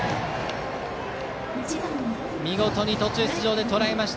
見事に途中出場でとらえました。